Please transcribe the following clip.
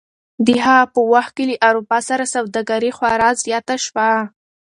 د هغه په وخت کې له اروپا سره سوداګري خورا زیاته شوه.